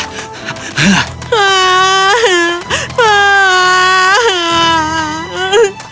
kau bisa membuktikan saudaramu salah